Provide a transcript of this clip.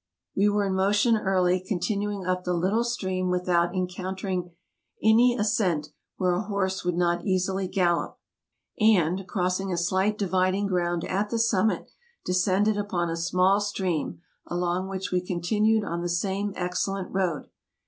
We were in motion early, continuing up the little stream without encountering any ascent where a horse would not easily gallop, and, crossing a slight dividing ground at the summit, descended upon a small stream, along which we continued on the same excellent road.